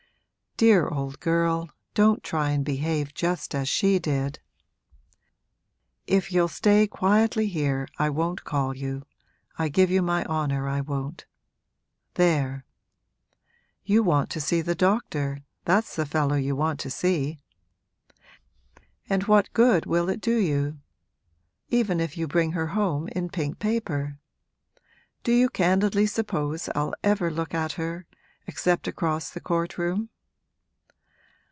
'Dear old girl, don't try and behave just as she did! If you'll stay quietly here I won't call you, I give you my honour I won't; there! You want to see the doctor that's the fellow you want to see. And what good will it do you, even if you bring her home in pink paper? Do you candidly suppose I'll ever look at her except across the court room?'